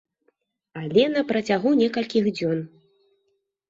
Але на працягу некалькіх дзён.